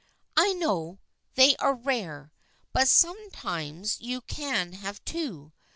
" I know they are rare, but sometimes you can have two.